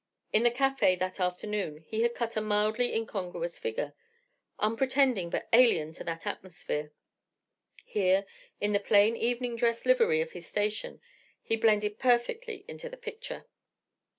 In the café, that afternoon, he had cut a mildly incongruous figure, unpretending but alien to that atmosphere; here, in the plain evening dress livery of his station, he blended perfectly into the picture.